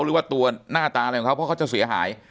หรือว่าตัวหน้าตาอะไรของเขาเพราะเขาจะเสียหาย